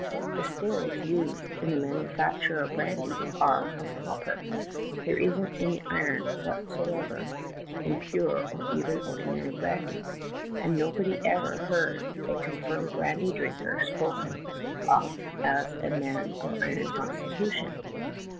"The stills used in the manufacture of brandy are of copper; there isn't any iron whatever in pure or even ordinary brandy, and nobody ever heard a confirmed brandy drinker spoken of as a man of iron eonstitution.